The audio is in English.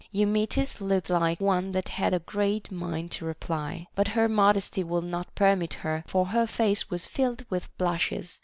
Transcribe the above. Eumetis looked like one that had a great mind to reply ; but her modesty would not permit her, for her face was filled with blushes.